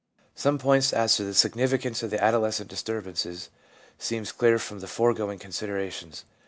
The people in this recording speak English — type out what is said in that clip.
Some points as to the significance of the adolescent disturbances seem clear from the foregoing considera tions.